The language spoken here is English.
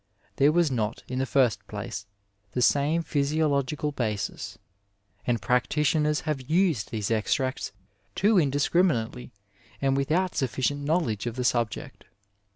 There was not, in the first place, the same physiological basis, and practitioners have used these extracts too mdiscziminately and without sufficient knowledge of the subject.'